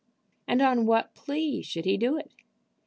And on what plea should he do it?